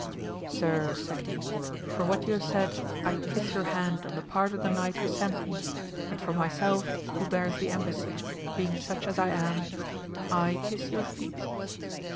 Sir, said he, for what you have said, I kiss your hand on the part of the knight who sent me, and for myself who bears the embassy, being such as I am, I kiss your feet.